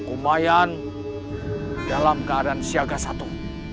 lumayan dalam keadaan siaga satu